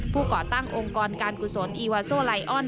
ก่อตั้งองค์กรการกุศลอีวาโซไลออน